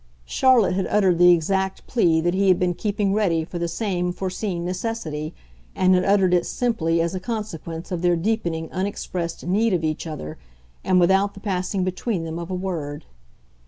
Charlotte had uttered the exact plea that he had been keeping ready for the same foreseen necessity, and had uttered it simply as a consequence of their deepening unexpressed need of each other and without the passing between them of a word.